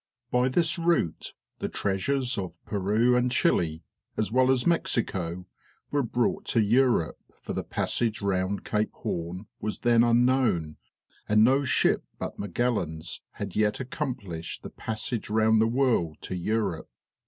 By this route the treasures of Peru and Chili, as well as Mexico, were brought to Europe, for the passage round Cape Horn was then unknown, and no ship but Magellan's had yet accomplished the passage round the world to Europe.